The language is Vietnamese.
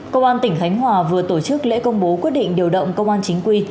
công an tỉnh khánh hòa vừa tổ chức lễ công bố quyết định điều động công an chính quy